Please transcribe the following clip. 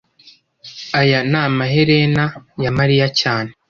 aya ni amaherena ya mariya cyane